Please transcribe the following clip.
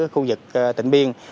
khu vực tịnh biên